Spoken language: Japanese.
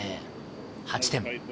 ８点。